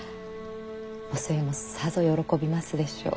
お寿恵もさぞ喜びますでしょう。